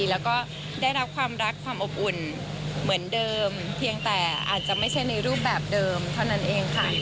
แล้วก็ได้รับความรักความอบอุ่นเหมือนเดิมเพียงแต่อาจจะไม่ใช่ในรูปแบบเดิมเท่านั้นเองค่ะ